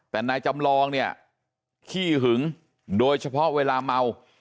แต่นายจำลองเนี่ยขี้หึงโดยเฉพาะเวลาเมา